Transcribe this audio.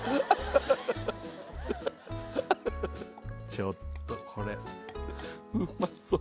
ちょっとこれうまそう